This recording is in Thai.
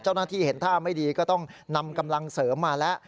เจ้าหน้าที่เห็นท่าไม่ดีก็ต้องนำกำลังเสริมมาแล้ว